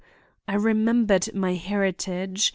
I remembered my heritage.